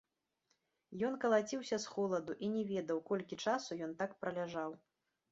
Ён калаціўся з холаду і не ведаў, колькі часу ён так праляжаў.